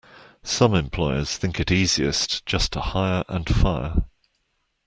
Some employers think it easiest just to hire and fire.